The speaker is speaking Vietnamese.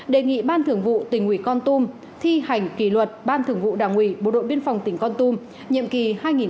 đề nghị ban thường vụ tỉnh ủy con tum thi hành kỷ luật ban thường vụ đảng ủy bộ đội biên phòng tỉnh con tum nhiệm kỳ hai nghìn một mươi năm hai nghìn hai mươi